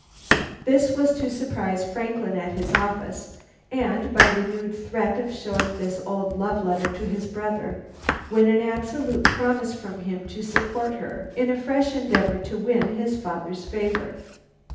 This was to surprise Franklin at his office and, by renewed threats of showing this old love letter to his brother, win an absolute promise from him to support her in a fresh endeavor to win his father's favor.